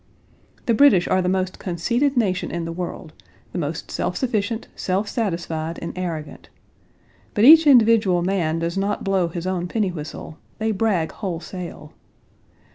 The British are the most conceited nation in the world, the most self sufficient, self satisfied, and arrogant. But each individual man does not blow his own penny whistle; they brag wholesale.